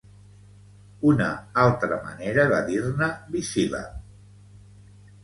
Una altra manera de dir-ne bisíl·lab.